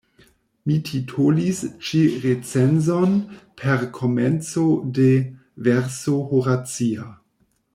Mi titolis ĉi recenzon per komenco de verso horacia.